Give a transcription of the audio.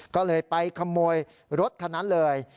ก็เลยไปขโมยรถคันนั้นเลย